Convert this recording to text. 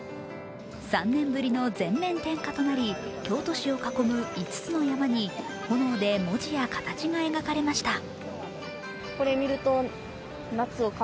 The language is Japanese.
３年ぶりの全面点火となり京都市を囲む５つの山に炎で文字や形が描かれました。